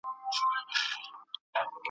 یوه لو ناره یې وکړله له خونده !.